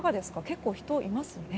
結構、人いますよね？